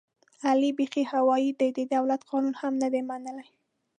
علي بیخي هوایي دی، د دولت قانون هم نه مني.